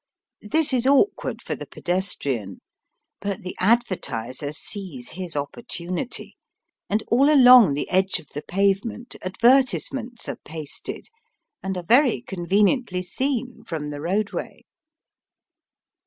This is awkward for the pedestrian, but the advertiser sees his opportunity, and all along the edge of the pavement advertisements are pasted, and are very conveniently seen from the roadway.